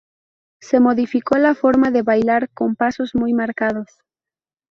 Se modificó la forma de bailar con pasos muy marcados.